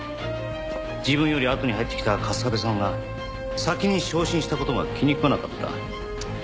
自分よりあとに入ってきた春日部さんが先に昇進した事が気に食わなかった。